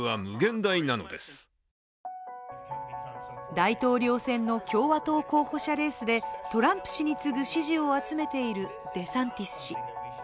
大統領選の共和党候補者レースでトランプ氏に次ぐ支持を集めているデサンティス氏。